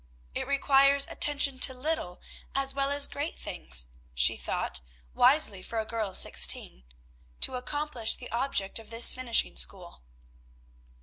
"It requires attention to little as well as great things" she thought, wisely for a girl of sixteen "to accomplish the object of this finishing school."